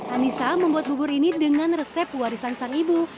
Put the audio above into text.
anissa membuat bubur ini dengan resep warisan sang ibu